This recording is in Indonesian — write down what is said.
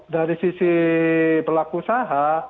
dari sisi pelaku usaha